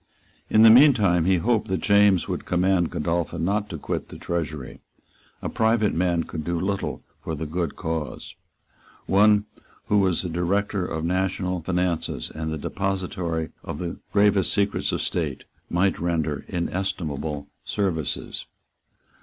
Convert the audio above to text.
In the meantime he hoped that James would command Godolphin not to quit the Treasury. A private man could do little for the good cause. One who was the director of the national finances, and the depository of the gravest secrets of state, might render inestimable services.